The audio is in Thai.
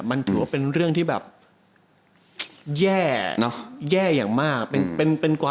มันถือว่าเป็นเรื่องที่แบบแย่เนอะแย่อย่างมาก